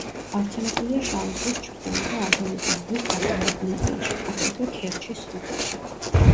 გავრცელებულია შავი ზღვის ჩრდილო და აზოვის ზღვის დასავლეთ ნაწილში, აგრეთვე ქერჩის სრუტეში.